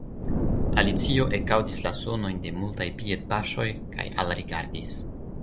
Alicio ekaŭdis la sonojn de multaj piedpaŝoj, kaj alrigardis.